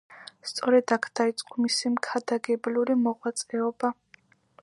სწორედ აქ დაიწყო მისი მქადაგებლური მოღვაწეობა.